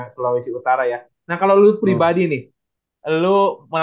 sejarah lah ya kemaren pon nya itu ya